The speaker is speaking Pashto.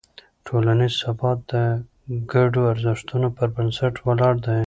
ټولنیز ثبات د ګډو ارزښتونو پر بنسټ ولاړ دی.